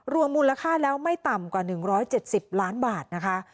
มูลค่าแล้วไม่ต่ำกว่า๑๗๐ล้านบาทนะคะ